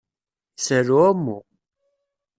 Yeshel uɛummu.